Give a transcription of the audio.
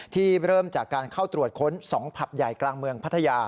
เริ่มจากการเข้าตรวจค้น๒ผับใหญ่กลางเมืองพัทยา